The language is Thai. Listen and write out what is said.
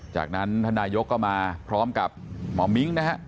จากนั้นท่านนายกก็มาพร้อมกับหมอมิ้งนะฮะ